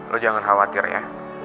lo jangan khawatir ya